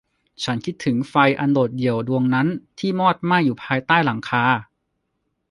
ฉันคิดถึงไฟอันโดดเดี่ยวดวงนั้นที่มอดไหม้อยู่ภายใต้หลังคา